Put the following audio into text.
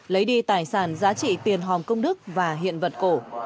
lấy đi tài sản giá trị tiền hòm công đức và hiện vật cổ